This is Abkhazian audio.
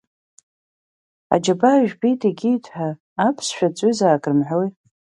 Аџьабаа жәбеит егьит ҳәа, аԥсышәа ҵҩызаак рымҳәои.